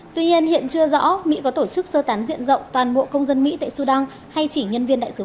tuy nhiên hiện chưa rõ mỹ có tổ chức sơ tán diện rộng toàn bộ công dân mỹ tại sudan hay chỉ nhân viên đại sứ